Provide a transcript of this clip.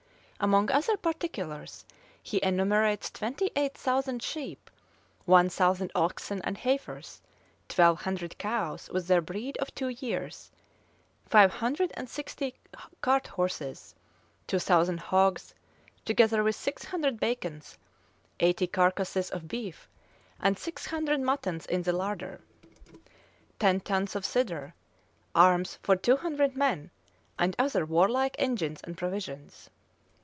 Among other particulars, he enumerates twenty eight thousand sheep, one thousand oxen and heifers, twelve hundred cows with their breed for two years, five hundred and sixty cart horses, two thousand hogs, together with six hundred bacons, eighty carcasses of beef, and six hundred muttons in the larder; ten tuns of cider, arms for two hundred men, and other warlike engines and provisions.